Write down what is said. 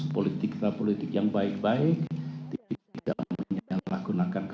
politik politik yang baik baik